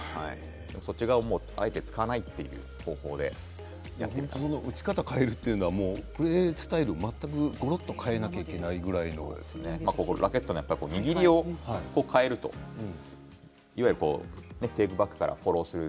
そちらはあえて使わないという打ち方を変えるというのはプレースタイルを全くごろっとラケットの握りを変えるといわゆるテイクバックからフォロースルー。